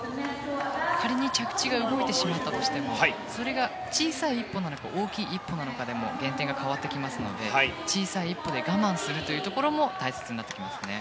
仮に着地で動いてしまったとしてもそれが小さい１歩なのか大きい１歩なのかでも減点が変わってきますので小さい１歩で我慢することも大切になってきますね。